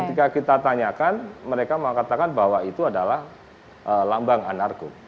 ketika kita tanyakan mereka mengatakan bahwa itu adalah lambang anarko